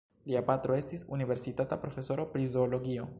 Lia patro estis universitata profesoro pri Zoologio.